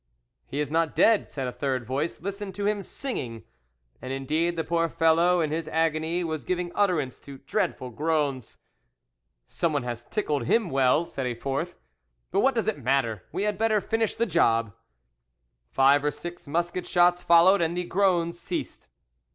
"He is not dead," said a third voice; "listen to him singing"; and indeed the poor fellow in his agony was giving utterance to dreadful groans. "Someone has tickled him well," said a fourth, "but what does it matter? We had better finish the job." Five or six musket shots followed, and the groans ceased.